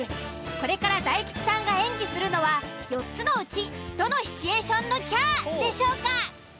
これから大吉さんが演技するのは４つのうちどのシチュエーションの「きゃー」でしょうか。